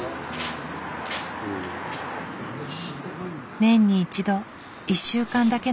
年に一度１週間だけの友情。